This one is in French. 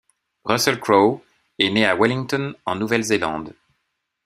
Russell Crowe est né à Wellington, en Nouvelle-Zélande.